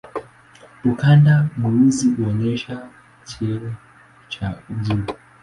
Ukanda mweusi huonyesha cheo cha juu.